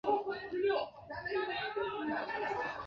两人前往蜜桃姐姐徐荔枝并结为好友。